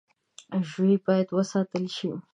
ژوی باید وساتل شي.